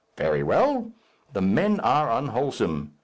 Very well. The men are unwholesome.